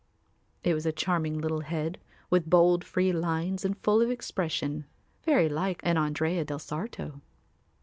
It was a charming little head with bold free lines and full of expression, very like an Andrea del Sarto.